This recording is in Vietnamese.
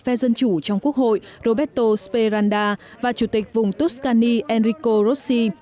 phe dân chủ trong quốc hội roberto speranda và chủ tịch vùng tuscani enrico rossi